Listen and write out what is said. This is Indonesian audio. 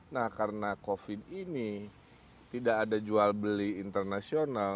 nah karena covid ini tidak ada jual beli internasional